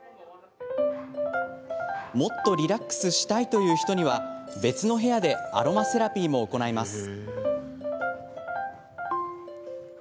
もっとリラックスしたいという人には別の部屋でアロマセラピーも行います。